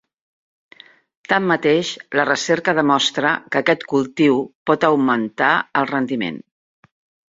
Tanmateix, la recerca demostra que aquest cultiu pot augmentar el rendiment.